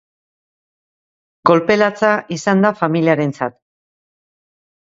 Kolpe latza izan da familiarentzat.